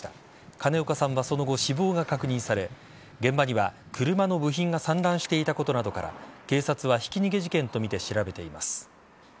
兼岡さんはその後死亡が確認され現場には、車の部品が散乱していたことなどから警察はひき逃げ事件とみて調べています。